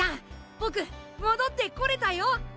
ボクもどってこれたよ！